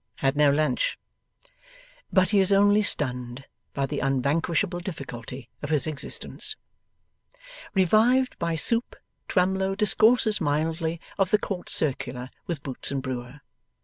Had no lunch.' But he is only stunned by the unvanquishable difficulty of his existence. Revived by soup, Twemlow discourses mildly of the Court Circular with Boots and Brewer.